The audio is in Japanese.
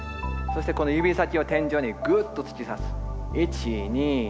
そして指先を天井にぐっと突き刺す。